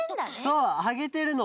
そうあげてるの。